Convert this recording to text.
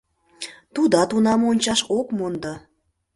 Тудат унам ончаш ок мондо.